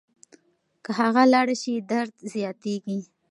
که هغه لاړه شي درد زیاتېږي.